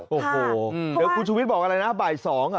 โอ้โหเดี๋ยวคุณชูวิทย์บอกอะไรนะบ่ายสองเหรอ